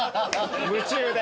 夢中で。